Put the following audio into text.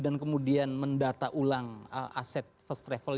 dan kemudian mendata ulang aset first travel